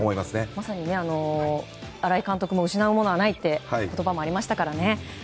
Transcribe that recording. まさに、新井監督も失うものはないと言葉もありましたからね。